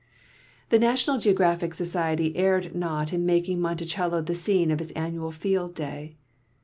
The National Geographic Society erred not in making ]\Ionti cello the scene of its annual field day.